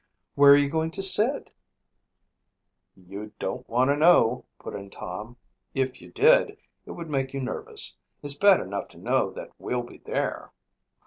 "Where are you going to sit?" "You don't want to know," put in Tom. "If you did, it would make you nervous. It's bad enough to know that we'll be there."